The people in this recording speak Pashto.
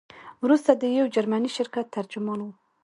وروسته د یو جرمني شرکت ترجمان وو.